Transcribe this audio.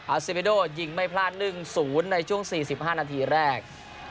อาซิเบดโดยิงไม่พลาดหนึ่ง๐ในช่วง๔๕นาทีแรก